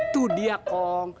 tuh dia kong